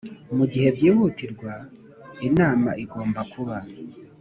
Mu gihe byihutirwa Inama igomba kuba.